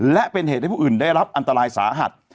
และเป็นเหตุให้ผู้อื่นได้รับอันตรายสาหัส